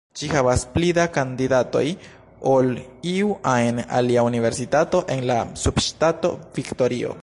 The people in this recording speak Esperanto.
Ĝi havas pli da kandidatoj ol iu ajn alia universitato en la subŝtato Viktorio.